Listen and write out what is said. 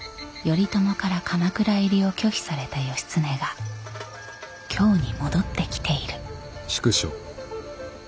頼朝から鎌倉入りを拒否された義経が京に戻ってきている。